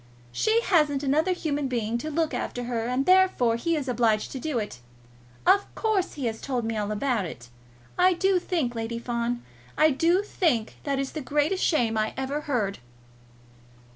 She hasn't another human being to look after her, and, therefore, he is obliged to do it. Of course he has told me all about it. I do think, Lady Fawn, I do think that is the greatest shame I ever heard!"